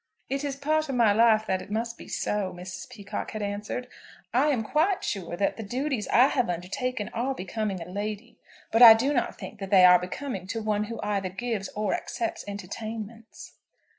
"It is part of my life that it must be so," Mrs. Peacocke had answered. "I am quite sure that the duties I have undertaken are becoming a lady; but I do not think that they are becoming to one who either gives or accepts entertainments."